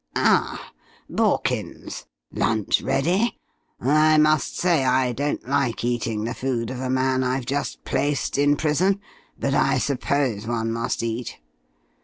Ah, Borkins! lunch ready? I must say I don't like eating the food of a man I've just placed in prison, but I suppose one must eat.